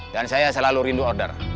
dan saya selalu rindu order